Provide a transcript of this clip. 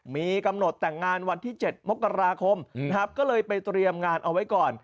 มีกำหนดแต่งงานวันที่๗มกราคมนะครับก็เลยไปเตรียมงานเอาไว้ก่อน